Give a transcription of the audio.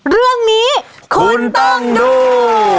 เรื่องนี้คุณต้องดู